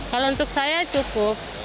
kalau untuk saya cukup